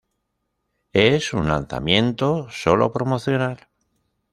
Es un lanzamiento solo promocional.